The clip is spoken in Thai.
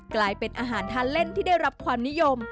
กลายเป็นอาหารทานเล่นที่ได้รับความนิยม